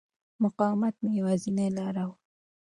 مقاومت مې یوازینۍ لاره وه.